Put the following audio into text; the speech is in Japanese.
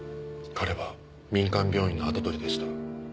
彼は民間病院の跡取りでした。